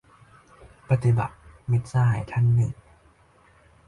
ปฏิบัติ ! - มิตรสหายท่านหนึ่ง